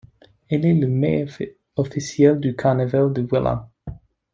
Elle est le mets officiel du carnaval de Wellin.